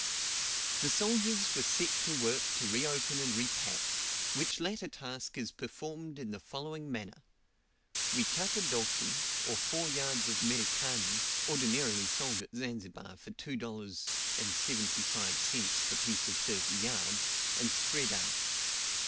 The soldiers were set to work to reopen and repack, which latter task is performed in the following manner: We cut a doti, or four yards of Merikani, ordinarily sold at Zanzibar for $2.75 the piece of thirty yards, and spread out.